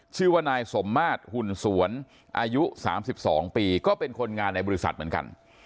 ชื่อว่านายสมมาตรหุ่นสวนอายุ๓๒ปีก็เป็นคนงานในบริษัทเหมือนกัน